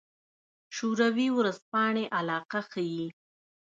شوروي ورځپاڼې علاقه ښيي.